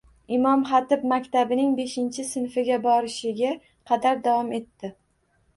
Imom Xatib maktabining beshinchi sinfiga borishiga qadar davom etdi.